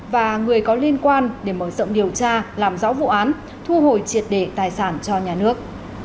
và người có liên quan để mở rộng điều tra làm rõ vụ án thu hồi triệt đề tài sản cho nhà nước